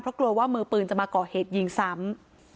เพราะกลัวว่ามือปืนจะมาก่อเหตุยิงซ้ำ